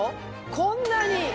こんなに。